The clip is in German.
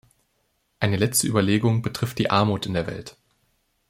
Eine letzte Überlegung betrifft die Armut in der Welt.